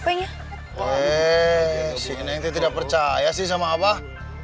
neng neng tidak percaya sih sama abah